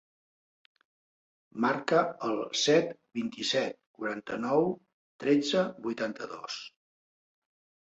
Marca el set, vint-i-set, quaranta-nou, tretze, vuitanta-dos.